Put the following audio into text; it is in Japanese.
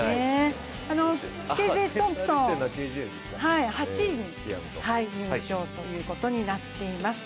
Ｋ．Ｊ．トンプソン、８位に入賞ということになっています。